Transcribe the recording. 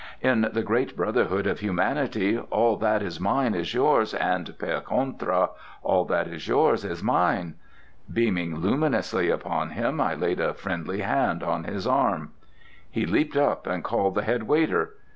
In the great brotherhood of humanity, all that is mine is yours; and per contra, all that is yours is mine." Beaming luminously upon him, I laid a friendly hand on his arm. He leaped up and called the head waiter.